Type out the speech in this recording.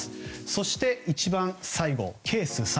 そして、一番最後のケース３。